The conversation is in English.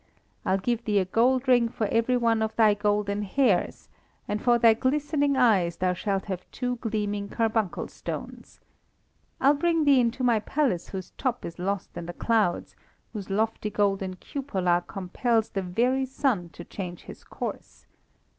I'll give thee a gold ring for every one of thy golden hairs, and for thy glistening eyes thou shalt have two gleaming carbuncle stones. I'll bring thee into my palace whose top is lost in the clouds, whose lofty golden cupola compels the very sun to change his course.